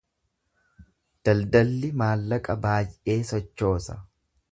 Daldalli maallaqa baay’ee sochoosa.